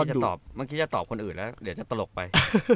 จะตอบเมื่อกี้จะตอบคนอื่นแล้วเดี๋ยวจะตลกไป